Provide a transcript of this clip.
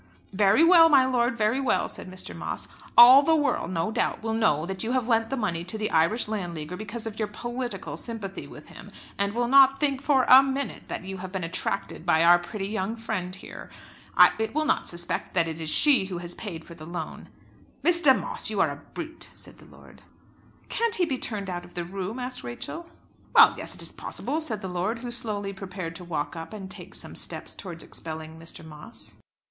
"Very well, my lord; very well," said Mr. Moss. "All the world no doubt will know that you have lent the money to the Irish Landleaguer because of your political sympathy with him, and will not think for a minute that you have been attracted by our pretty young friend here. It will not suspect that it is she who has paid for the loan!" "Mr. Moss, you are a brute," said the lord. "Can't he be turned out of the room?" asked Rachel. "Well, yes; it is possible," said the lord, who slowly prepared to walk up and take some steps towards expelling Mr. Moss.